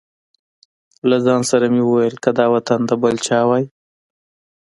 له ځان سره مې وویل که دا وطن د بل چا وای.